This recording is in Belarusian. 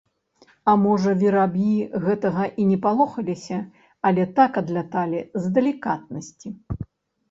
А можа, вераб'і гэтага і не палохаліся, але так адляталі, з далікатнасці.